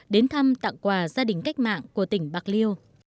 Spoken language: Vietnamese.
đến thăm tặng quà gia đình cách mạng của tỉnh bạc liêu